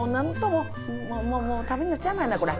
もう食べなしゃあないなこれ。